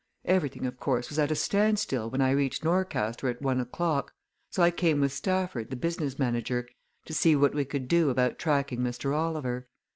Everything, of course, was at a standstill when I reached Norcaster at one o'clock, so I came with Stafford, the business manager, to see what we could do about tracking Mr. Oliver.